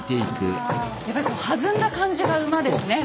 やっぱりこう弾んだ感じが馬ですね。